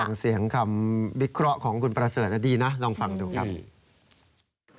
ฟังเสียงคำวิเคราะห์ของคุณประเสริฐดีนะลองฟังดูครับ